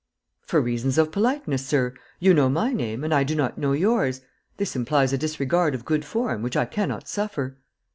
"For reasons of politeness, sir. You know my name and I do not know yours; this implies a disregard of good form which I cannot suffer."